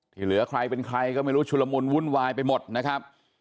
เหลือใครเป็นใครก็ไม่รู้ชุลมุนวุ่นวายไปหมดนะครับ